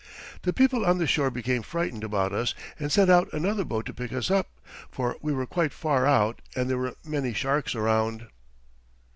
The people on the shore became frightened about us and sent out another boat to pick us up, for we were quite far out and there were many sharks around.